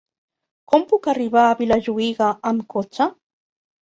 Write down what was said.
Com puc arribar a Vilajuïga amb cotxe?